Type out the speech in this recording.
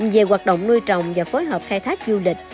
về hoạt động nuôi trồng và phối hợp khai thác du lịch